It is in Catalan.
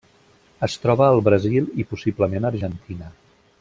Es troba al Brasil i possiblement Argentina.